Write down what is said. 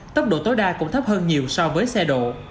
tốc độ tối đa cũng thấp hơn nhiều so với xe độ